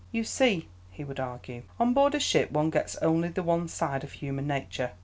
"You see," he would argue, "on board a ship one gets only the one side of human nature.